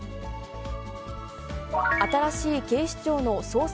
新しい警視庁の捜査